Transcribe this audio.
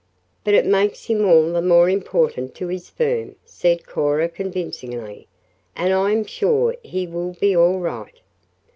"But it makes him all the more important to his firm," said Cora convincingly, "and I am sure he will be all right."